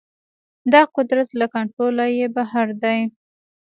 دا قدرت له کنټروله يې بهر دی.